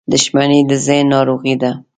• دښمني د ذهن ناروغي ده.